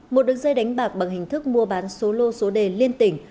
một đứng dây đánh bạc bằng hình thức mua bán số lô số đề liên tỉnh